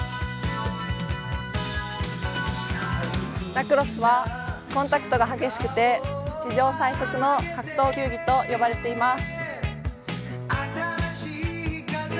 ラクロスはコンタクトが激しくて地上最速の格闘球技と呼ばれています。